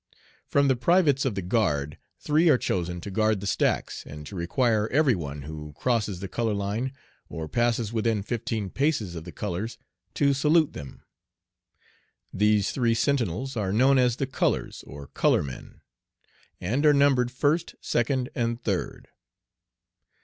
From the privates of the guard three are chosen to guard the stacks and to require every one who crosses the color line or passes within fifteen paces of the colors to salute them. These three sentinels are known as the "colors," or "color men," and are numbered "first," "second," and "third."